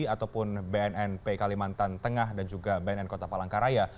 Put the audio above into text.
ataupun bnnp kalimantan tengah dan juga bnn kota palangkaraya